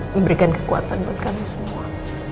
memberikan kekuatan buat kami semua